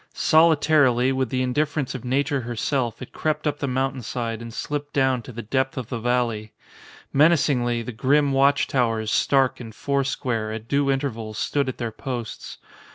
Solitarily, with the indiffer ence of nature herself, it crept up the mountain side and slipped down to the depth of the valley. Menacingly, the grim watch towers, stark and foursquare, at due intervals stood at their posts.